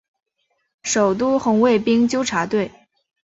首都红卫兵纠察队。